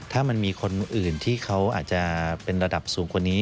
ถ้ามันมีคนอื่นที่เขาอาจจะเป็นระดับสูงกว่านี้